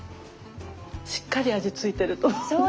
しっかり味ついてると思う。